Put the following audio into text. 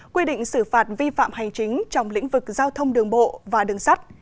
quy định xử phạt vi phạm hành chính trong lĩnh vực giao thông đường bộ và đường sắt